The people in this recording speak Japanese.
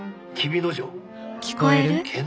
聞こえる？